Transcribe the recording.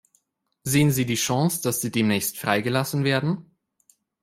Sehen Sie die Chance, dass sie demnächst freigelassen werden?